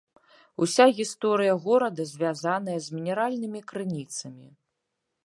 Уся гісторыя горада звязаная з мінеральнымі крыніцамі.